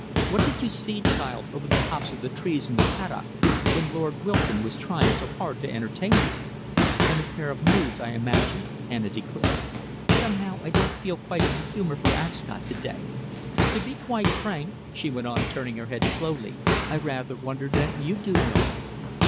What did you see, child, over the tops of the trees in the paddock, when Lord Wilton was trying so hard to entertain you?" "An affair of moods, I imagine," Anna declared. "Somehow I don't feel quite in the humour for Ascot to day. To be quite frank," she went on, turning her head slowly, "I rather wonder that you do, Mildred."